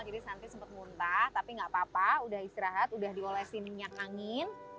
jadi santi sempat muntah tapi gak apa apa udah istirahat udah diolesi minyak angin